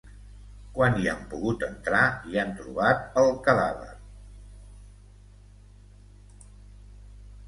Quan hi han pogut entrar, hi han trobat el cadàver.